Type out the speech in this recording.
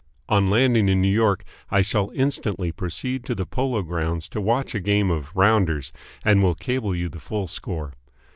On landing in New York, I shall instantly proceed to the Polo Grounds to watch a game of Rounders, and will cable you the full score.